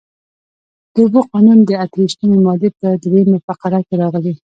د اوبو قانون د اته ویشتمې مادې په درېیمه فقره کې راغلي.